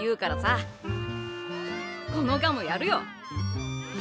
このガムやるよ。